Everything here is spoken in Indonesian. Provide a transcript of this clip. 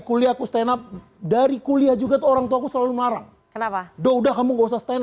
kuliah aku stand up dari kuliah juga orangtua selalu marah kenapa udah kamu nggak usah stand